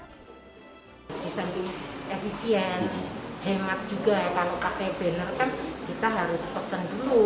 bisa lebih efisien hemat juga kalau pakai banner kan kita harus pesen dulu